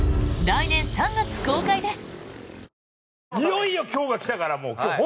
来年３月公開です。